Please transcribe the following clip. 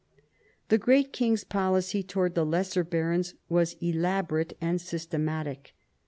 The great king's policy towards the lesser barons was elaborate and systematic.